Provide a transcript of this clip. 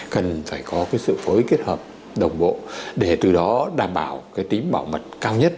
cần phải có cái sự phối kết hợp đồng bộ để từ đó đảm bảo cái tính bảo mật cao nhất